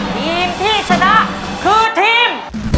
ทีมที่ชนะคือทีม